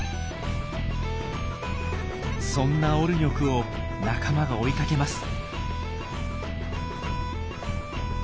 そんなオルニョクを仲間が追いかけます。